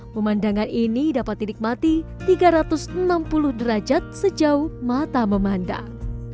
pemandangan ini dapat dinikmati tiga ratus enam puluh derajat sejauh mata memandang